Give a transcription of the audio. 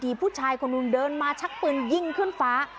มีผู้ชายคนหนึ่งเดินมาชักปืนยิงขึ้นฟ้า